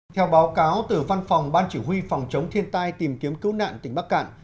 theo báo cáo từ văn phòng ban chỉ huy phòng chống thiên tai tìm kiếm cứu nạn tỉnh bắc cạn